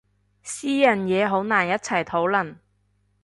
私人嘢好難一齊討論